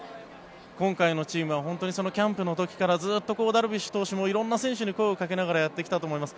今回のチームは本当にキャンプの時からずっとダルビッシュ投手も色んな選手に声をかけながらやってきたと思います。